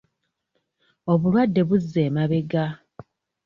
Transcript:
Obulwadde buzza emabega.